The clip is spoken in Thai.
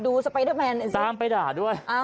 ดูสไปเดอร์แมนตามไปด่าด้วย